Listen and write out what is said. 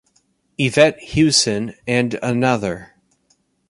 Yvette Hewson and Another.